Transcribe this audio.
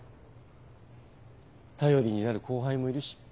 頼りになる後輩もいるし。